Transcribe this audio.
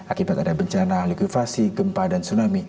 akibat ada bencana likuivasi gempa dan tsunami